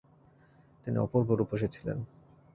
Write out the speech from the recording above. তিনি অপূর্ব রূপসী ছিলেন।